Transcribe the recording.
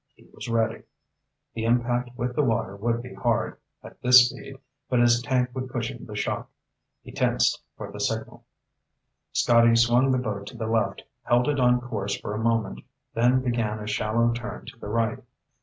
He was ready. The impact with the water would be hard, at this speed, but his tank would cushion the shock. He tensed for the signal. Scotty swung the boat to the left, held it on course for a moment, then began a shallow turn to the right.